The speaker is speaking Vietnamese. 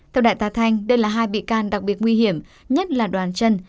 theo đại tá thanh đây là hai bị can đặc biệt nguy hiểm nhất là đoàn chân